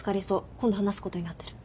今度話すことになってる。